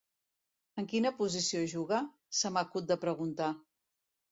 En quina posició juga? —se m'acut de preguntar.